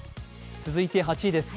続いて８位です。